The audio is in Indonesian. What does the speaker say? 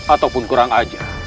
ataupun kurang aja